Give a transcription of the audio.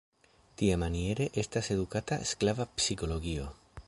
Tiamaniere estas edukata sklava psikologio.